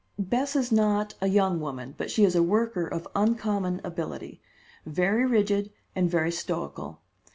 "Bess is not a young woman, but she is a worker of uncommon ability, very rigid and very stoical.